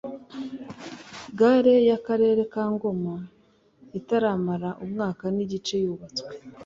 Gare y’Akarere ka Ngoma itaramara umwaka n’igice yubatswe